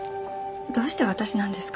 どうして私なんですか？